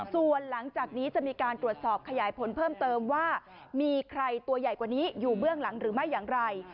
ส่วนหลังจากนี้จะมีการตรวจสอบขยายผลเพิ่มเติมว่ามีใครตัวใหญ่กว่านี้อยู่เบื้องหลังหรือไม่อย่างไร